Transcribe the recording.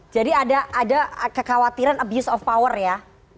jadi ada kekhawatiran abuse of power ya